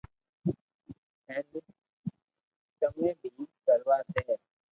ھين ڪمي بي ڪروا دي